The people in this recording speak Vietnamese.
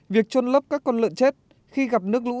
việc trôn lấp các con lợn chết khi gặp nước lũ